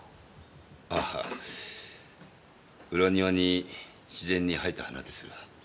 ああ裏庭に自然に生えた花ですよ。